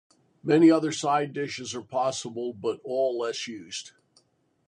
Many other side dishes are possible but all less used.